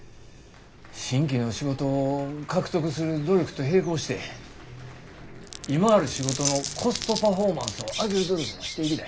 新規の仕事を獲得する努力と並行して今ある仕事のコストパフォーマンスを上げる努力もしていきたい。